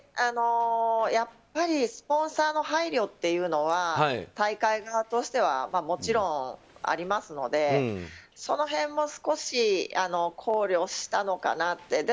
やっぱりスポンサーの配慮というのは大会側としてはもちろんありますのでその辺も少し考慮したのかなって。